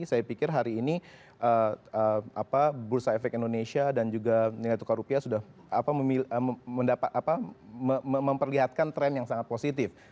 saya pikir hari ini bursa efek indonesia dan juga nilai tukar rupiah sudah memperlihatkan tren yang sangat positif